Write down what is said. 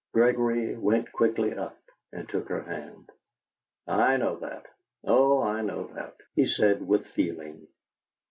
Gregory went quickly up, and took her hand. "I know that oh, I know that," he said with feeling.